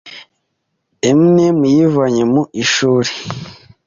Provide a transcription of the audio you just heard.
Eminem yivanye mu ishuri